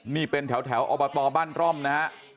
นี่เป็นแถวอบตบ้านร่อมนะฮะ